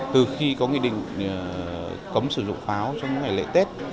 từ khi có nghị định cấm sử dụng pháo trong những ngày lễ tết